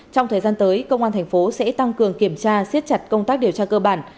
trong thời gian tới công an thành phố sẽ tăng cường kiểm tra siết chặt công tác điều tra cơ bản